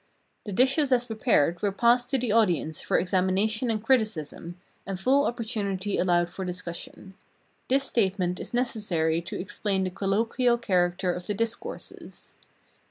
The dishes as prepared were passed to the audience for examination and criticism, and full opportunity allowed for discussion. This statement is necessary to explain the colloquial character of the discourses.